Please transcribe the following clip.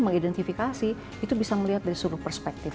mengidentifikasi itu bisa melihat dari seluruh perspektif